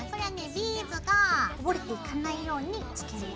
ビーズがこぼれていかないようにつけるよ。